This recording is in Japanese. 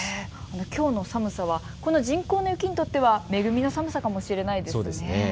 きょうの寒さはこの人工の雪にとっては恵みの寒さかもしれないですね。